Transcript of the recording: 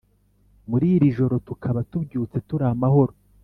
Muririjoro tukaba tubyutse turamahoro